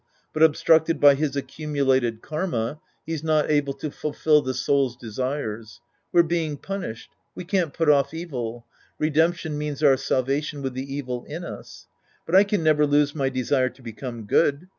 But obstructed by his accumulated karma, he's not able to fulfil the soul's desires. We're being punished. We can't put off evil. Redemption means our salvation with the evil in us. But I can never lose my desire to become good.